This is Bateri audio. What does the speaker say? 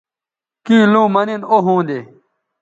کیں لوں مہ نن او ھوندے